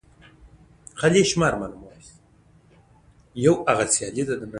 سیاسي نظام د خلکو له ملاتړ ژوندی دی